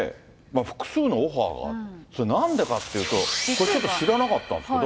複数のオファーが、なんでかっていうと、これ、ちょっと知らなかったんですけど。